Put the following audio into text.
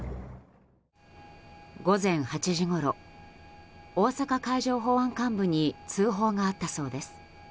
午前８時ごろ大阪海上保安監部に通報があったそうです。